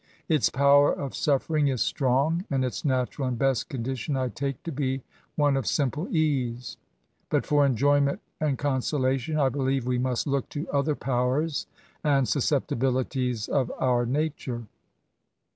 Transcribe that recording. Its power of suf* £ering is strong ; and its natural and best condition I take to be one of simple ease ; but for enjoyment and consolation, I believe we must look to other powers and susceptibilities of our nature.